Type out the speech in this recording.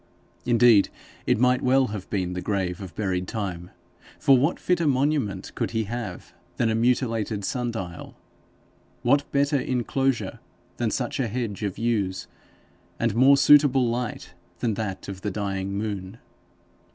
Indeed it might well have been the grave of buried Time, for what fitter monument could he have than a mutilated sun dial, what better enclosure than such a hedge of yews, and more suitable light than that of the dying moon?